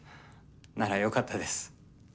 ならよかったです。